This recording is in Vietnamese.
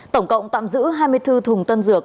tổng cộng tạm giữ hai mươi bốn thùng tân dược